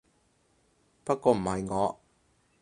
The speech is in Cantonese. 不過唔係我